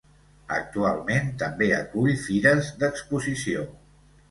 Actualment també acull fires d'exposició.